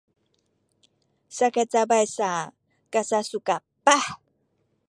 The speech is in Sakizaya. sakay cabay sa kasasukapah